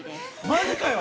◆マジかよ？